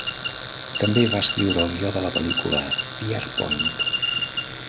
També va escriure el guió de la pel·lícula "Pierrepoint".